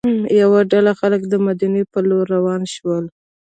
یوه ډله خلک د مدینې پر لور روان شول.